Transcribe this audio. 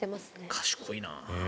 賢いな。